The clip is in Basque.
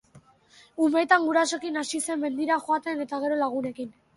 Umetan gurasoekin hasi zen mendira joaten eta gero lagunekin.